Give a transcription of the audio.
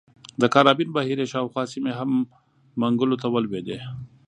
د کارابین بحیرې شاوخوا سیمې هم منګولو ته ولوېدې.